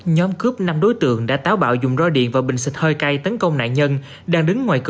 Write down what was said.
nhóm cướp năm đối tượng đã táo bạo dùng ro điện và bình xịt hơi cay tấn công nạn nhân